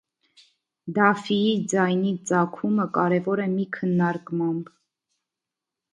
Դաֆիի ձայնի ծագումը կարևոր է մի քաննարկմամբ։